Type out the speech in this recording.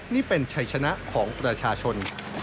นี่เป็นชัยชนะของประชาชน